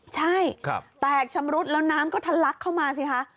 ใช่แตกชำรุดแล้วน้ำก็ทะลักเข้ามาสิคะ